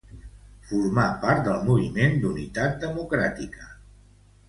Formà part del Moviment d'Unitat Democràtica.